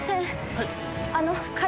はい。